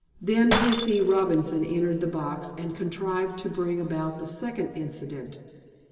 Then P. C. Robinson entered the box, and contrived to bring about the second "incident."